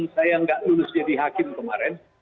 saya nggak lulus jadi hakim kemarin